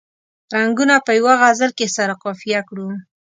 رنګونه په یوه غزل کې سره قافیه کړو.